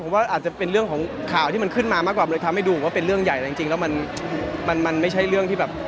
ผมว่าอาจจะเป็นเรื่องของข่าวที่มันขึ้นมามากกว่าเลยทำให้ดูว่าเป็นเรื่องใหญ่แต่จริงแล้วมันมันไม่ใช่เรื่องที่แบบ